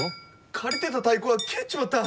借りてた太鼓が帰っちまった！